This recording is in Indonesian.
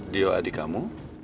dio adik kamu